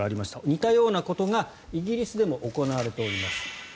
似たようなことがイギリスでも行われています。